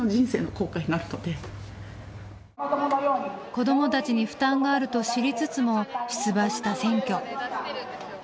子どもたちに負担があると知りつつも出馬した選挙。